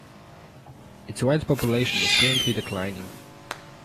Its wild population is currently declining.